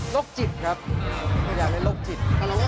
โรคจิตครับอยากเล่นโรคจิต